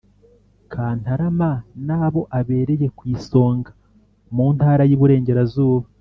kantarama n’abo abereye ku isonga, mu ntara y’iburengerazuba.